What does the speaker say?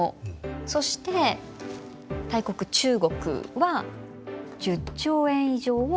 そして大国中国は１０兆円以上を。